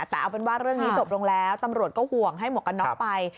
แต่เอาเป็นว่าเรื่องนี้จบลงแล้วตำรวจก็ห่วงให้หมวกกันน็อกไป